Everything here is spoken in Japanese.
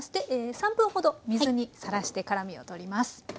３分ほど水にさらして辛みを取ります。